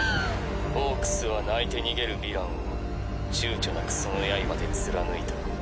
ホークスは泣いて逃げるヴィランを躊躇なくその刃で貫いた。